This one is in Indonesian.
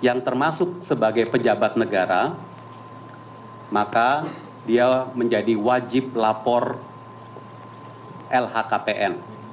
yang termasuk sebagai pejabat negara maka dia menjadi wajib lapor lhkpn